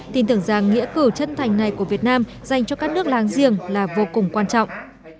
tin tưởng rằng nghĩa cử chân thành này của việt nam dành cho các nước láng giềng là vô cùng quan trọng